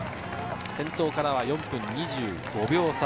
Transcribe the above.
先頭からは４分２５秒差。